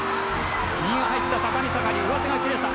右が入った高見盛、上手が切れた。